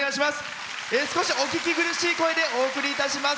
少しお聞き苦しい声でお送りいたします。